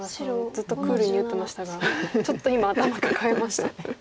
ずっとクールに打ってましたがちょっと今頭抱えましたね。